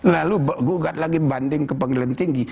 lalu gugat lagi banding ke pengadilan tinggi